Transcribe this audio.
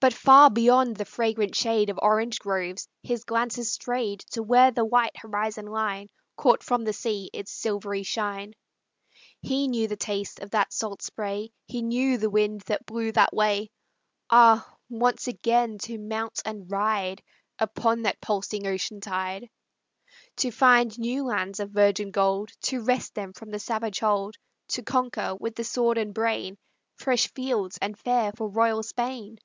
But far beyond the fragrant shade Of orange groves his glances strayed To where the white horizon line Caught from the sea its silvery shine. He knew the taste of that salt spray, He knew the wind that blew that way; Ah, once again to mount and ride Upon that pulsing ocean tide, To find new lands of virgin gold, To wrest them from the savage hold, To conquer with the sword and brain Fresh fields and fair for royal Spain!